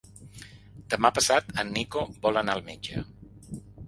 Demà passat en Nico vol anar al metge.